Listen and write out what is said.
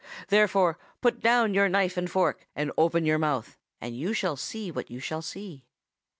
Therefore put down your knife and fork, and open your mouth, and you shall see what you shall see.